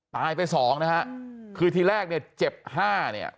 ตายไปสองนะฮะคือทีแรกเนี่ยเจ็บห้าเนี่ย